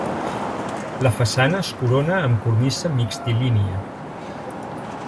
La façana es corona amb cornisa mixtilínia.